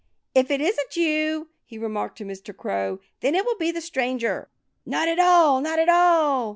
"If it isn't you," he remarked to Mr. Crow, "then it will be the stranger." "Not at all! Not at all!"